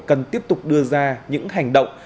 cần tiếp tục đưa ra những hành động